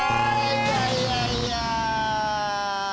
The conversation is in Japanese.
いやいやいや。